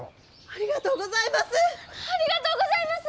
ありがとうございます！